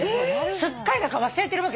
すっかり忘れてるわけよ。